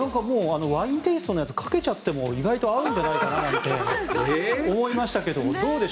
ワインテイストのやつかけちゃっても意外と合うんじゃないかななんて思いましたけど